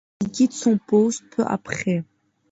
Il quitte son poste peu après.